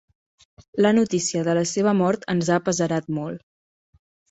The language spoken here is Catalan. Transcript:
La notícia de la seva mort ens ha apesarat molt.